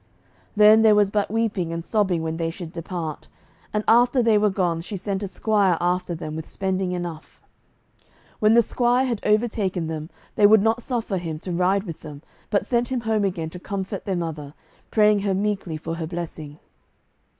Then there was but weeping and sobbing when they should depart, and after they were gone, she sent a squire after them with spending enough. When the squire had overtaken them, they would not suffer him to ride with them, but sent him home again to comfort their mother, praying her meekly for her blessing.